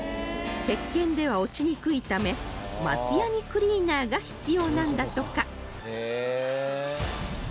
石鹸では落ちにくいため松やにクリーナーが必要なんだとか